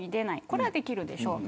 これはできるでしょう。